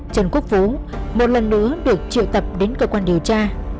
trần quốc vũ một lần nữa được triệu tập đến cơ quan điều tra